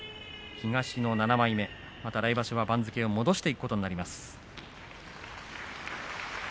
東の７枚目また来場所は番付を戻していくことになりそうです。